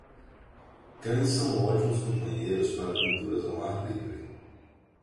Cães são ótimos companheiros para aventuras ao ar livre.